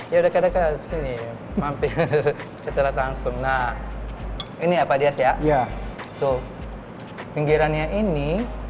ya udah kira kira sini mampir setelah langsung nah ini apa dia siap ya tuh pinggirannya ini